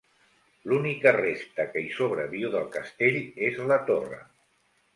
L'única resta que hi sobreviu del castell és la torre.